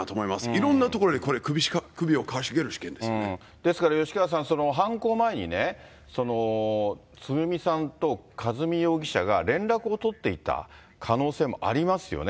いろんなところにこれ、首をかしですから吉川さん、犯行前にね、つぐみさんと和美容疑者が連絡を取っていた可能性もありますよね。